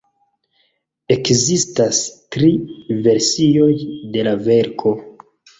Ekzistas tri versioj de la verko.